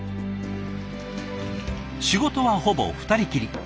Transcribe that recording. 仕事はほぼ二人きり。